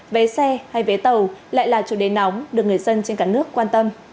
vé xe hay vé tàu lại là chủ đề nóng được người dân trên cả nước quan tâm